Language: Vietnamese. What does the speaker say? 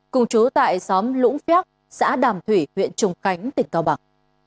cùng chú tại xóm lũng phéc xã đàm thủy huyện trùng khánh tỉnh cao bằng